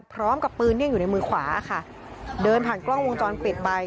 พร้อมกับปืนที่ยังอยู่ในมือขวาค่ะเดินผ่านกล้องวงจรปิดไป